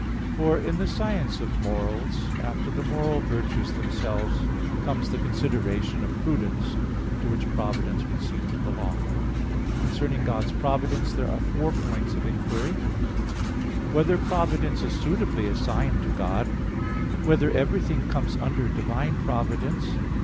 For in the science of morals, after the moral virtues themselves, comes the consideration of prudence, to which providence would seem to belong. Concerning God's providence there are four points of inquiry: (1) Whether providence is suitably assigned to God? (2) Whether everything comes under divine providence?